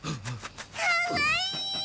かわいい！